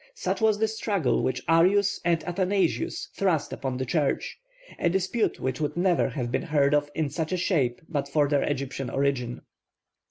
Such was the struggle which Arius and Athanasius thrust upon the Church; a dispute which would never have been heard of in such a shape but for their Egyptian origin.